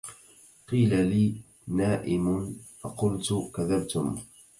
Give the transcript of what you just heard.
قيل لي نائم فقلت كذبتم